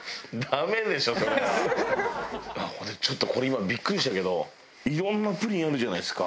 ちょっとこれ今ビックリしたけどいろんなプリンあるじゃないですか。